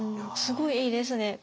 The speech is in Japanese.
すごいいいですね。